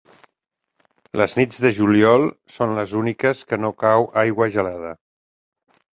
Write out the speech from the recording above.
Les nits de juliol són les úniques que no cau aigua gelada.